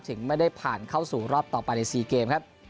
ถึงไม่ได้ผ่านเข้าสู่รอบต่อไปใน๔เกมครับ